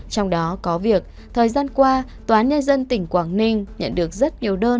trong đó có việc thời gian qua tòa nhà dân tỉnh quảng ninh nhận được rất nhiều đơn